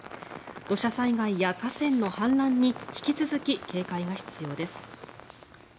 土砂災害や河川の氾濫に引き続き警戒が必要です。